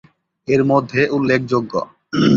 এর মধ্যে উল্লেখযোগ্য:-